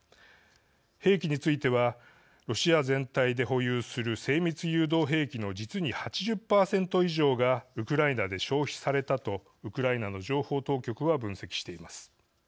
兵器についてはロシア全体で保有する精密誘導兵器の実に８０％以上がウクライナで消費されたとウクライナの情報当局は分析しています。